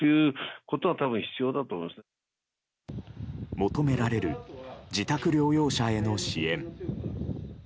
求められる自宅療養者への支援。